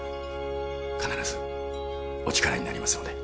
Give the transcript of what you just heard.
必ずお力になりますので。